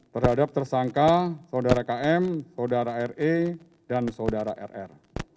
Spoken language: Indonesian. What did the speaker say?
terhadap tersangka saudara km saudara re dan saudara rr